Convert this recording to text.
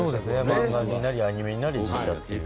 漫画になりアニメになり実写っていう。